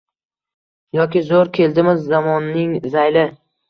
Yoki zo‘r keldimi zamonning zayli